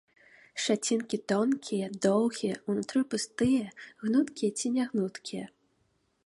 Шчацінкі тонкія, доўгія, унутры пустыя, гнуткія ці нягнуткія.